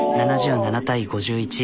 ７７対５１。